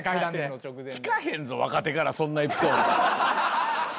聞かへんぞ若手からそんなエピソード。